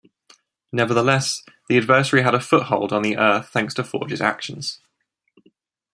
Nevertheless, the Adversary had a foothold on the Earth thanks to Forge's actions.